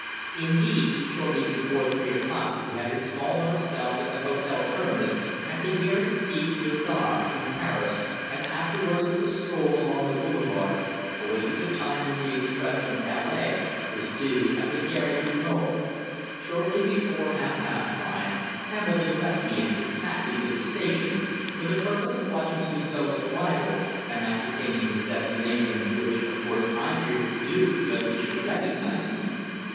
Indeed, shortly before three o'clock we had installed ourselves at the Hôtel Terminus at the Gare St. Lazare, in Paris, and afterwards took a stroll along the boulevards, awaiting the time when the express from Calais was due at the Gare du Nord. Shortly before half past five Hambledon left me and took a taxi to the station for the purpose of watching Suzor's arrival and ascertaining his destination, which, of course, I feared to do, lest he should recognize me.